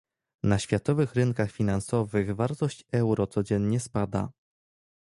Na światowych rynkach finansowych wartość euro codziennie spada